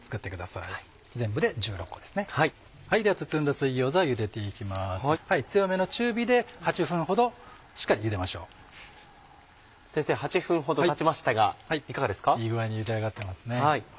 いい具合にゆで上がってますね。